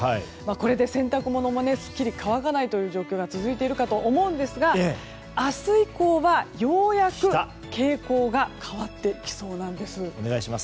これで洗濯物もすっきり乾かない状況が続いているかと思いますが明日以降は、ようやく傾向が変わってきそうなんです。